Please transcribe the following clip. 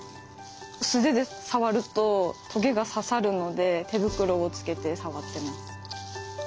素手で触るとトゲが刺さるので手袋をつけて触ってます。